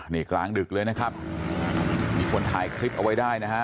นี่กลางดึกเลยนะครับมีคนถ่ายคลิปเอาไว้ได้นะฮะ